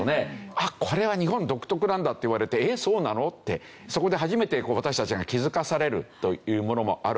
あっこれは日本独特なんだって言われて「えっ？そうなの？」ってそこで初めて私たちが気づかされるというものもあるわけですね。